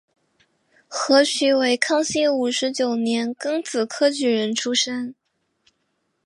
何衢为康熙五十九年庚子科举人出身。